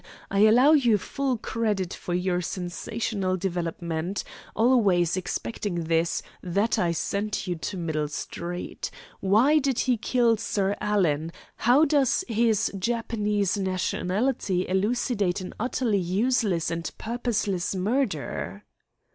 I allow you full credit for your sensational development always excepting this, that I sent you to Middle Street. Why did he kill Sir Alan? How does his Japanese nationality elucidate an utterly useless and purposeless murder?"